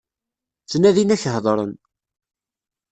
Ttnadin ad ak-hedṛen.